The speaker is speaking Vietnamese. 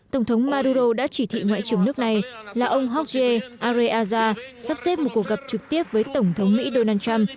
tổng thống maduro đã chỉ thị ngoại trưởng nước này là ông jorge areaza sắp xếp một cuộc gặp trực tiếp với tổng thống mỹ donald trump